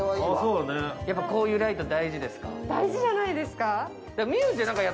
こういうライト大事ですか。